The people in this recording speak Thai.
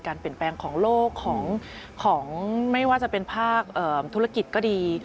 การเปลี่ยนแปลงของโลกของไม่ว่าจะเป็นภาคธุรกิจก็ดี